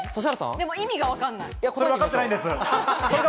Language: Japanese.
でも意味がわかんない。